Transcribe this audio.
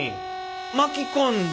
巻き込んだ